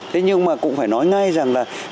thế nhưng mà cũng phải nói ngay rằng là